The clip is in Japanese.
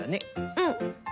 うん。